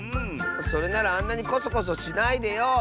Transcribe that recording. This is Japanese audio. それならあんなにこそこそしないでよ！